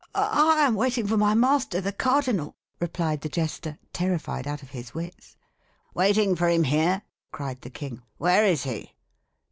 "I am waiting for my master, the cardinal," replied the jester, terrified out of his wits. "Waiting for him here!" cried the king. "Where is he?"